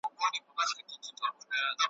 هغه ګوتي په اور سوځي چي قلم یې چلولی ,